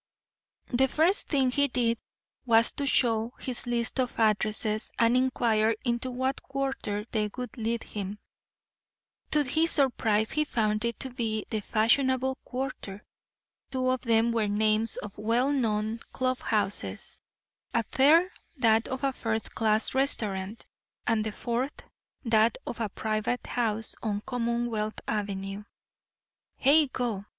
The first thing he did was to show his list of addresses and inquire into what quarter they would lead him. To his surprise he found it to be the fashionable quarter. Two of them were names of well known club houses, a third that of a first class restaurant, and the fourth that of a private house on Commonwealth Avenue. Heigho!